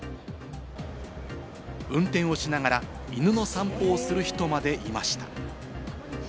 運転をしながら犬の散歩をする人までいました。